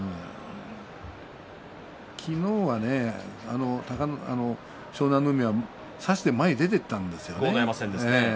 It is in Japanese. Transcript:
昨日はね、湘南乃海は差して前に出ていったんですね。